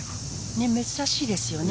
珍しいですよね。